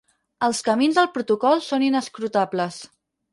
Els camins del protocol són inescrutables.